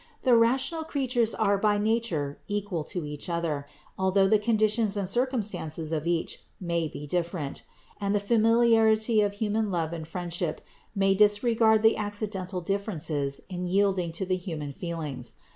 The rational creatures are by nature equal to each other, although the conditions and circumstances of each may be different; and the familiarity of human love and friendship may disregard the accidental differences in yielding to the human feelings.